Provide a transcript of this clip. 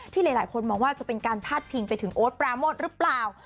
หลายคนมองว่าจะเป็นการพาดพิงไปถึงโอ๊ตปราโมทหรือเปล่า